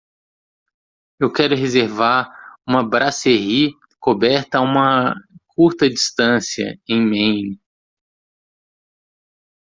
Eu quero reservar uma brasserie coberta a uma curta distância em Maine.